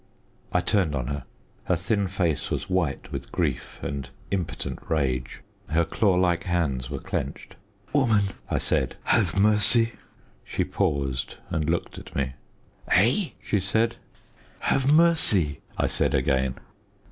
I turned on her. Her thin face was white with grief and impotent rage. Her claw like hands were clenched. "Woman," I said, "have mercy!" She paused, and looked at me. "Eh?" she said. "Have mercy!" I said again.